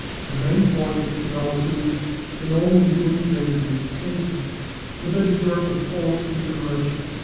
The main points of similitude can only be indicated in these pages; but they deserve the fullest consideration.